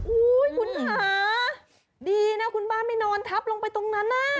อุ้ยคุณหาดีน่ะคุณบ้านไม่นอนทับลงไปตรงนั้นน่ะ